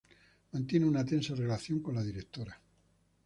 Mantiene una tensa relación con la Dra.